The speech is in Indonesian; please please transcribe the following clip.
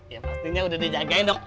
ya pastinya udah dijagain dok